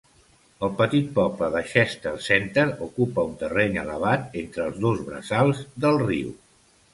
El petit poble de Chester Center ocupa un terreny elevat entre els dos braçals del riu.